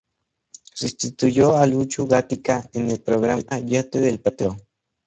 Sustituyó a Lucho Gatica en el programa "Yate del Prado".